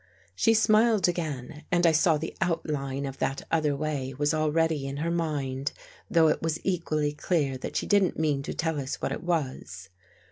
She smiled again and I saw the outline of that other way was already in her mind, though it was equally clear that she didn't mean to tell us what it was.